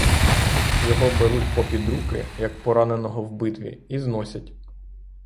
Його беруть попід руки, як пораненого в битві, і зносять.